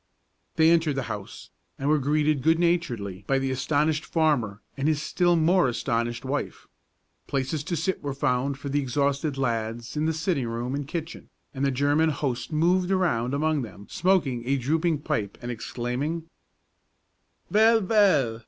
They entered the house, and were greeted good naturedly by the astonished farmer and his still more astonished wife. Places to sit were found for the exhausted lads in the sitting room and kitchen, and the German host moved around among them smoking a drooping pipe, and exclaiming, "Vell! vell!